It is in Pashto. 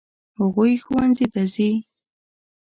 هغوی ښوونځي ته ځي.